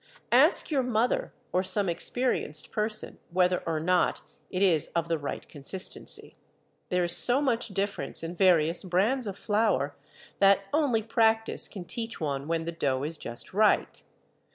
Ask your mother or some experienced person whether or not it is of the right consistency. There is so much difference in various brands of flour that only practice can teach one when the dough is just right.